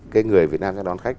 cái người việt nam sẽ đón khách